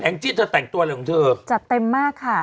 จี้เธอแต่งตัวอะไรของเธอจัดเต็มมากค่ะ